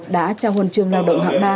đã trao huân chương lao động hạng ba